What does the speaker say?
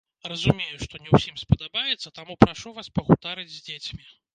Разумею, што не ўсім спадабаецца, таму прашу вас пагутарыць з дзецьмі.